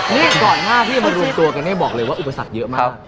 นี่ก่อนหน้าที่จะมารวมตัวกันเนี่ยบอกเลยว่าอุปสรรคเยอะมาก